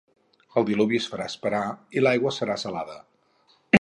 El diluvi es farà esperar i l'aigua serà salada.